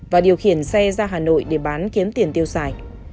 và điều khiển xe ra hà nội để bán kiếm tiền tiêu xài